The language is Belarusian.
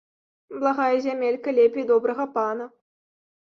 Благая зямелька лепей добрага пана